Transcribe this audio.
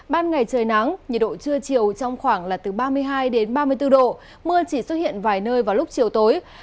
ban ngày trời nắng nhiệt độ trưa chiều trong khoảng là từ ba mươi hai ba mươi bốn độ mưa chỉ xuất hiện vài nơi vào lúc chiều tối